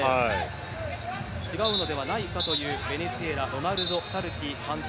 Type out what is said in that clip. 違うのではないかというベネズエラロナルド・サルティ監督